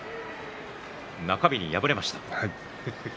中日で敗れましたね。